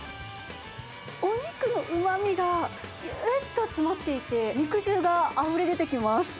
お肉のうまみが、ぎゅっと詰まっていて、肉汁があふれ出てきます。